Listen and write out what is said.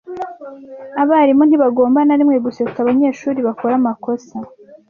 Abarimu ntibagomba na rimwe gusetsa abanyeshuri bakora amakosa.